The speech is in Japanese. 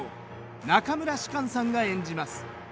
中村芝翫さんが演じます。